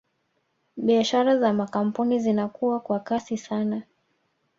Biashara za makampuni zinakua kwa kasi sana